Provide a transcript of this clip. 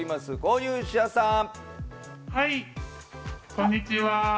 はい、こんにちは。